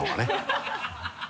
ハハハ